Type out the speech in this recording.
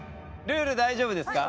ルール大丈夫ですか？